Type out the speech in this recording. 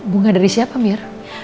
bunga dari siapa mir